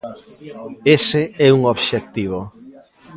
Ese é un obxectivo.